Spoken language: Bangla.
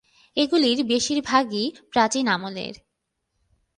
এগুলোর বেশিরভাগই প্রাচীন আমলের।